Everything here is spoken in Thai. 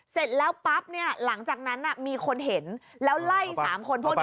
เสร็จแล้วปั๊บเนี่ยหลังจากนั้นมีคนเห็นแล้วไล่๓คนพวกนี้